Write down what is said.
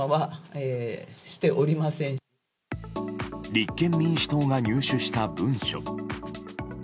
立憲民主党が入手した文書。